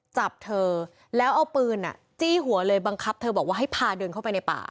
จับเธอแล้วเอาปืนจี้หัวเลยบังคับเธอบอกว่าให้พาเดินเข้าไปในป่า